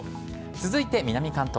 続いて南関東。